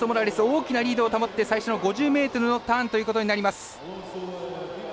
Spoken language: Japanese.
大きなリードを保って最初の５０ｍのターンとなります。